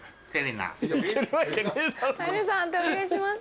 判定お願いします。